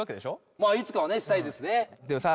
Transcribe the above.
いつかはねしたいですね。